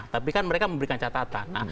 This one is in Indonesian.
tapi kan mereka memberikan catatan